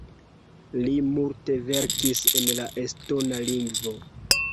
Li multe verkis en la estona lingvo.